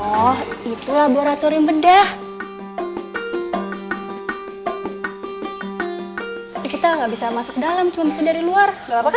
oh itu laboratorium bedah kita nggak bisa masuk dalam cuman dari luar